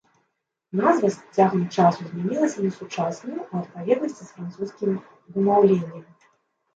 Назва з цягам часу змянілася на сучасную ў адпаведнасці з французскім вымаўленнем.